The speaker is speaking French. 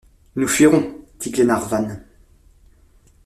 Nous fuirons! dit Glenarvan.